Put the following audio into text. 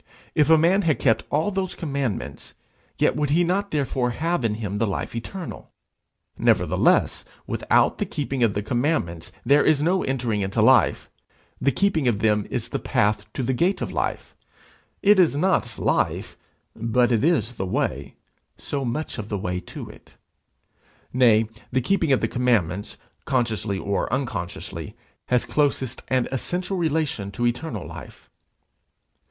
If a man had kept all those commandments, yet would he not therefore have in him the life eternal; nevertheless, without keeping of the commandments there is no entering into life; the keeping of them is the path to the gate of life; it is not life, but it is the way so much of the way to it. Nay, the keeping of the commandments, consciously or unconsciously, has closest and essential relation to eternal life.